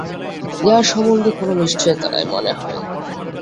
ইহার সম্বন্ধে কোন নিশ্চয়তা নাই, মনে হয়।